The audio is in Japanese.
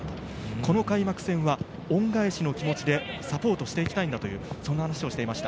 この開幕戦は恩返しの気持ちでサポートしていきたいと、そんな話をしていました。